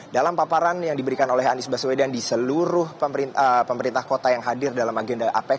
dalam paparan yang diberikan oleh anies baswedan di seluruh pemerintah kota yang hadir dalam agenda apes